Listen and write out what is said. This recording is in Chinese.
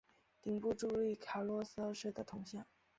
顶部矗立卡洛斯二世的铜像。